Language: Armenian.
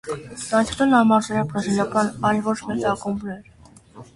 Դրանից հետո նա մարզել է բրազիլական այլ ոչ մեծ ակումբներ։